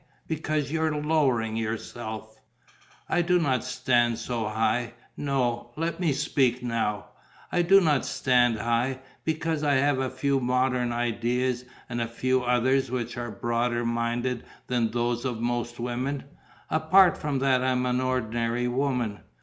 Because you're lowering yourself." "I do not stand so high. No, let me speak now. I do not stand high. Because I have a few modern ideas and a few others which are broader minded than those of most women? Apart from that I am an ordinary woman.